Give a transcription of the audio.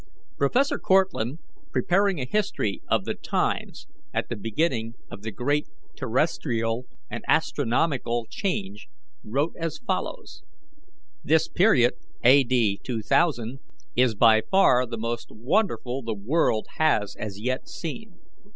Prof. Cortlandt, preparing a history of the times at the beginning of the great terrestrial and astronomical change, wrote as follows: "This period A.D. 2000 is by far the most wonderful the world has as yet seen.